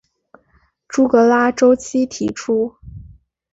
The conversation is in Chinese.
朱格拉周期提出。